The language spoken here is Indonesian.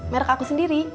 merk aku sendiri